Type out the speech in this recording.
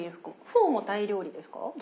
フォーもタイ料理ですか？